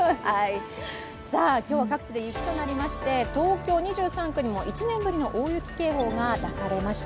今日は各地で雪となりまして、東京２３区に大雪警報が出されました。